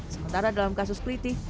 sementara dalam kasus klitik